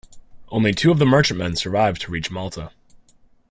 Only two of the merchantmen survived to reach Malta.